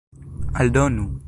aldonu